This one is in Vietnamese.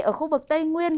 ở khu vực tây nguyên